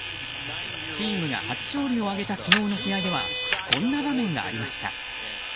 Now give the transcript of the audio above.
チームが初勝利を挙げた昨日の試合ではこんな場面がありました。